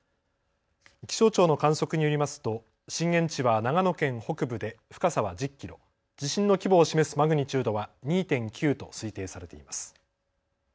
気象庁の観測によりますと震源地は長野県北部で深さは１０キロ、地震の規模を示すマグニチュードは２．９と推定されています。